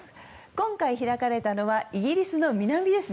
今回開かれたのはイギリスの南です。